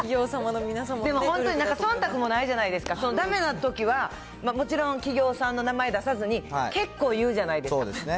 本当にそんたくもないじゃないですか、だめなときは、もちろん企業さんの名前出さずに、結構言うじゃないですか。